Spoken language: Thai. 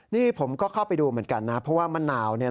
นี่ผมก็เข้าไปดูเหมือนกันนะเพราะว่ามะนาว